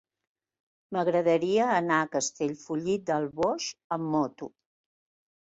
M'agradaria anar a Castellfollit del Boix amb moto.